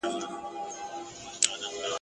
چي لري د ربابونو دوکانونه ..